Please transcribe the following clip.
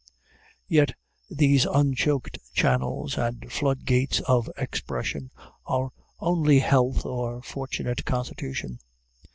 Yet these unchoked channels and floodgates of expression are only health or fortunate constitution.